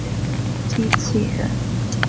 机器人。